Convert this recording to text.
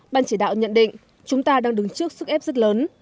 ban chỉ đạo nhận định chúng ta đang đứng trước sức ép rất lớn